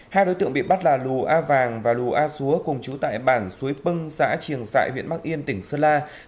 hai đối tượng bị bắt là lù a vàng và lù a xúa cùng chú tại bản suối pưng xã triềng sại huyện bắc yên tỉnh sơn la